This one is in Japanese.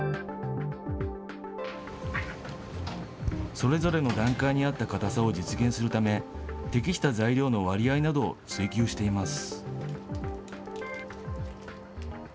それぞれの段階に合ったかたさを実現するため、適した材料の割合などを追求しています。